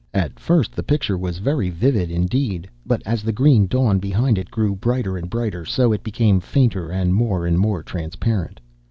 At first the picture was very vivid indeed, but as the green dawn behind it grew brighter and brighter, so it became fainter and more and more transparent.